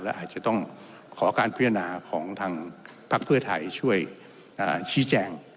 และอาจจะต้องขอการพิจารณาของทางพักเพื่อไทยช่วยชี้แจง